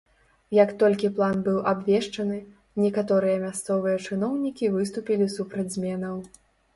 Як толькі план быў абвешчаны, некаторыя мясцовыя чыноўнікі выступілі супраць зменаў.